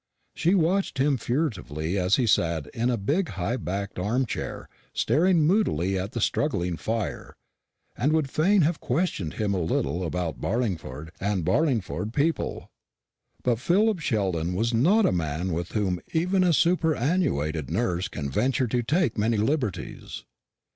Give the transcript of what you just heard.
She watched him furtively as he sat in a big high backed arm chair staring moodily at the struggling fire, and would fain have questioned him a little about Barlingford and Barlingford people. But Philip Sheldon was not a man with whom even a superannuated nurse can venture to take many liberties.